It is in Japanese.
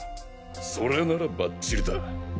それならばっちりだ。